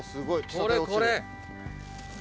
これこれ。